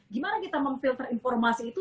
gimana kita memfilter informasi itu